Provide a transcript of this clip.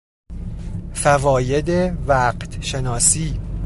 فواید وقتشناسی